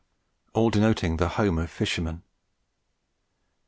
all denoting the home of fishermen.